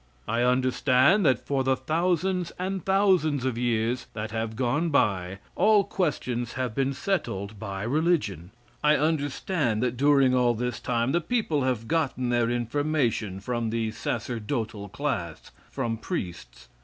I understand that for the thousands and thousands of years that have gone by, all questions have been settled by religion. I understand that during all this time the people have gotten their information from the sacerdotal class from priests.